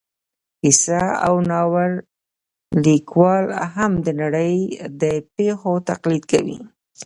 کیسه او ناول لیکوال هم د نړۍ د پېښو تقلید کوي